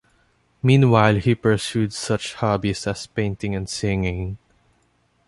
Meanwhile, he pursued such hobbies as painting and singing.